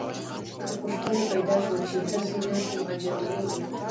پوښتنه پیدا شوه چې هسې نه کوم جرمنی وي